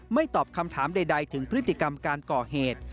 ตอบคำถามใดถึงพฤติกรรมการก่อเหตุ